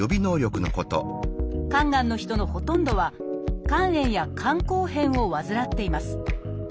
肝がんの人のほとんどは肝炎や肝硬変を患っています。